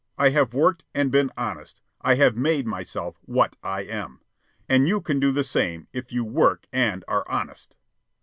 I have worked and been honest. I have made myself what I am. And you can do the same, if you work and are honest."